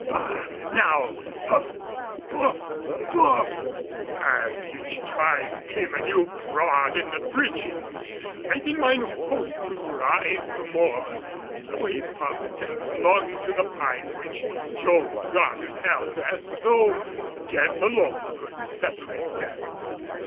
Bah! Now puff! puff! puff!" and each time came a new prod in the breeches, making mine host to writhe the more, though he puffed and clung to the pipe which Job Goddard held, as though death alone could separate them.